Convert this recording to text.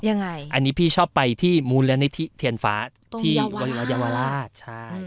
ยังไงอันนี้พี่ชอบไปที่มูลณ์และนิทิเทียนฟ้าตรงเยาวราชใช่อืม